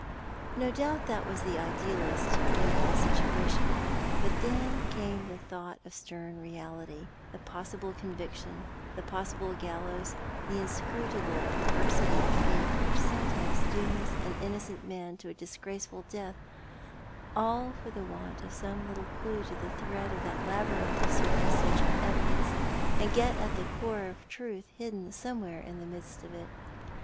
No doubt that was the idealist's view of the situation. But then came the thought of stern reality — the possible conviction — the possible gallows — the inscrutable perversity of Fate which sometimes dooms an innocent man to a disgraceful death, all for want of some little clue to thread that labyrinth of circum stantial evidence, and get at the core of truth hidden somewhere in the midst of it.